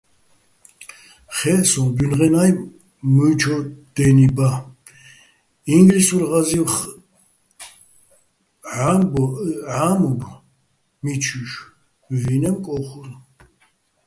ხე́ჸ სოჼ, ბუჲნღენა́ჲ მუჲჩო̆ დე́ნი ბა, ინგლისურ ღაზი́ვხ ჺამობ მიჩუ́ჲშვ, ვინემ კო́ხურ.